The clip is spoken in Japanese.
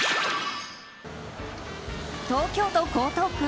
東京都江東区